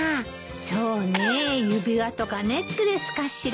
そうねえ指輪とかネックレスかしら。